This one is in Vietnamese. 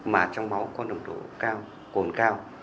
mà trong máu có nồng độ cồn cao